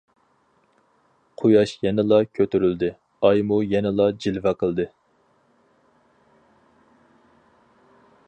قۇياش يەنىلا كۆتۈرۈلدى، ئايمۇ يەنىلا جىلۋە قىلدى.